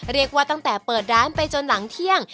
เรียกว่าตั้งแต่เปิดร้านไปจนหลังเที่ยง